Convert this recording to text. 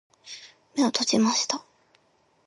目を閉じました。